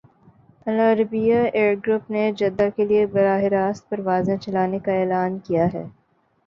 العربیہ air group نے Jeddah کے لیے براہ راست پروازیں چلانے کا اعلان کیا ہے